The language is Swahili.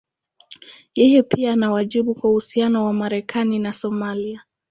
Yeye pia ana wajibu kwa uhusiano wa Marekani na Somalia.